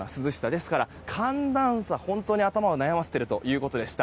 ですから、寒暖差に本当に頭を悩ませているということでした。